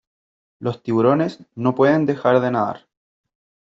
Los tiburones no pueden dejar de nadar.